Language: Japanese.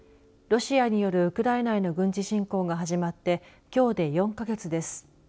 ロシアによるウクライナへの軍事進攻が始まってきょうで４か月です。